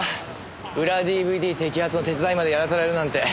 裏ＤＶＤ摘発の手伝いまでやらされるなんて。